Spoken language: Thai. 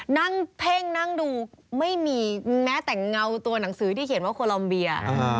นั่งเพ่งนั่งดูไม่มีแม้แต่เงาตัวหนังสือที่เขียนว่าโคลอมเบีย